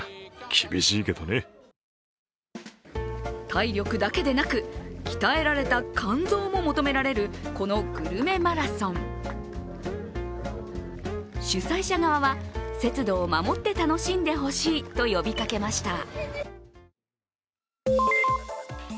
体力だけでなく、鍛えられた肝臓も求められる、このグルメマラソン主催者側は、節度を守って楽しんでほしいと呼びかけました。